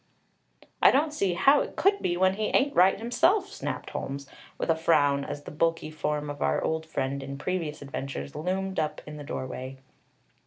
"I don't see how it could be, when he ain't right himself!" snapped Holmes, with a frown, as the bulky form of our old friend in previous adventures loomed up in the doorway.